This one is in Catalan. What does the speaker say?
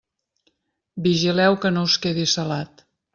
Vigileu que no us quedi salat.